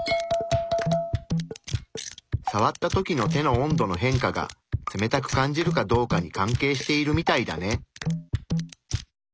さわった時の手の温度の変化が冷たく感じるかどうかに関係しているみたいだね。